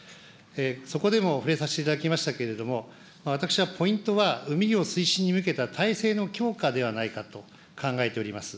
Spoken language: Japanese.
そこでも触れさせていただきましたけれども、私はポイントは海業推進に向けた体制の強化ではないかと考えております。